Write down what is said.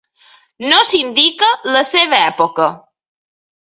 No s'indica la seva època.